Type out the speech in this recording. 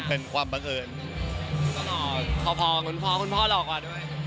พอขุนพ่อหนูของขุนพ่อหลอกกว่า